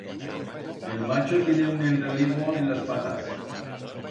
El macho tiene un enreligo en las patas.